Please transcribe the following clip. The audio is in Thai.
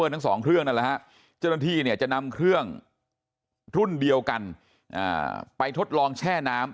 ทั้ง๒เครื่องเจ้าหน้าที่จะนำเครื่องรุ่นเดียวกันไปทดลองแช่น้ำ